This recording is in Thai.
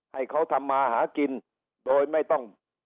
ให้เขาทำมาหากินโดยไม่ต้อง